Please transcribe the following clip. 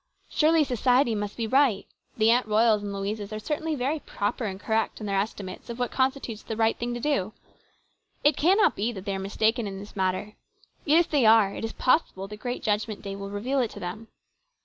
Surely society must be right. The Aunt Royals and the Louises are certainly very proper and correct in their estimates of what constitutes the right thing to do. It cannot be that they are mistaken in this matter. Yet, if they are, it is possible the great judgment day will reveal it to them.